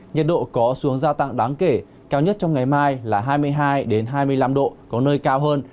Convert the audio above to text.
nhiệt độ có xuống gia tăng đáng kể cao nhất trong ngày mai là hai mươi hai hai mươi năm độ có nơi cao hơn